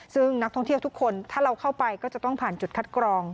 ซึ่งนักท่องเที่ยวทุกคนถ้าเราเข้าไปก็จะต้องผ่านจุดคัดกรอง